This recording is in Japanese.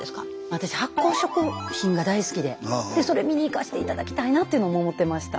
私発酵食品が大好きででそれ見に行かして頂きたいなっていうのを思ってました。